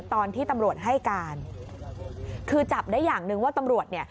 ตอนที่ตำรวจให้การคือจับได้อย่างหนึ่งว่าตำรวจเนี่ย